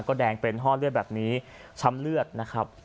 ก็แดงเป็นห้อเลือดแบบนี้ช้ำเลือดนะครับ